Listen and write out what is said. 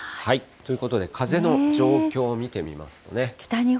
ということで、風の状況を見てみますとね。